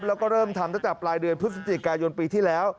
แล้วก็เริ่มทำตั้งแต่ปลายเดือนพฤศจิกายนปีที่แล้ว